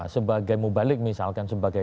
sebagai mubalik misalkan sebagai